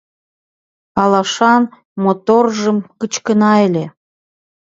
Алашан моторжым кычкена ыле.